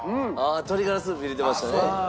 鶏がらスープ入れてましたね。